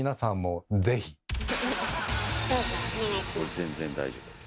全然大丈夫。